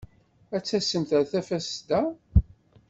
A tassemt a tafesda.